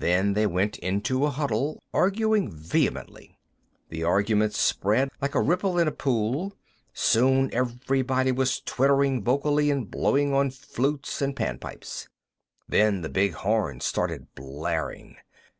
Then they went into a huddle, arguing vehemently. The argument spread, like a ripple in a pool; soon everybody was twittering vocally or blowing on flutes and Panpipes. Then the big horn started blaring.